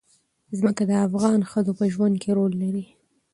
ځمکه د افغان ښځو په ژوند کې رول لري.